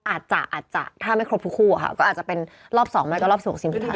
อาจจะถ้าไม่ครบทุกคู่ก็อาจจะเป็นรอบ๒ไม่ก็รอบ๑๖ทีมสุดท้าย